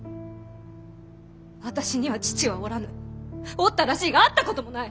私には父はおらぬおったらしいが会ったこともない！